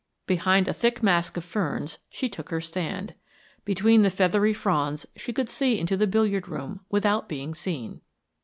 Behind a thick mask of ferns she took her stand. Between the feathery fronds she could see into the billiard room without being seen.